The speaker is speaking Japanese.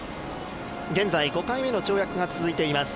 現在５回目の跳躍が続いています。